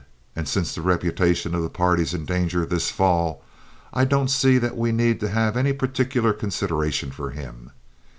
And since the reputation of the party's in danger this fall, I don't see that we need to have any particular consideration for him."